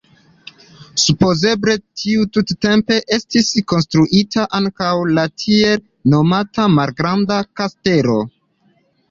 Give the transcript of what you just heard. Supozeble tiutempe estis konstruita ankaŭ la tiel nomata malgranda kastelo.